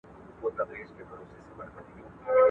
سوشل میډیا زموږ وخت خوري.